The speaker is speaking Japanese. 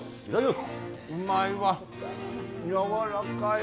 うまいわ。